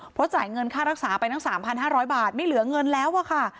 เพราะจ่ายเงินค่ารักษาไปทั้ง๓๕๐๐บาทไม่เหลือเงินแล้วอะค่ะ